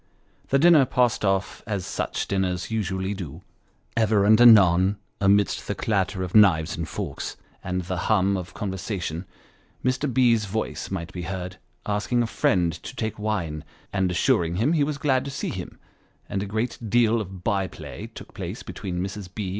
The dinner passed off as such dinners usually do. Ever and anon, amidst the clatter of knives and forks, and the hum of conversa tion, Mr. B.'s voice might be heard, asking a friend to take wine, and assuring him he was glad to see him ; and a great deal of by play took place between Mrs. B.